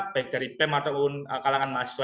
baik dari pem atau kalangan mahasiswa